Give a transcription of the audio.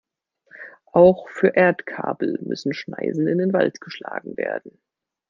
Auch für Erdkabel müssen Schneisen in den Wald geschlagen werden.